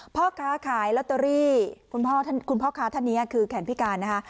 พ่อค้าขายลอตเตอรี่คุณพ่อค้าท่านนี้คือแขนพิการนะคะ